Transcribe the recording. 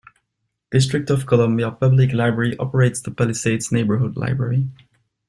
District of Columbia Public Library operates the Palisades Neighborhood Library.